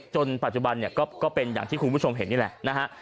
จนปัจจุบันเนี่ยก็เป็นอย่างที่คุณผู้ชมเห็นนี่แหละนะฮะ